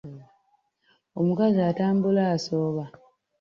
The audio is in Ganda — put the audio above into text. Omukazi atambula asooba.